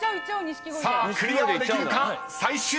［さあクリアできるか？］